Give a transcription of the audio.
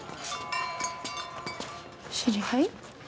知り合い？